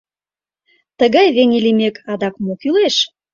Тыгай веҥе лиймек, адак мо кӱлеш?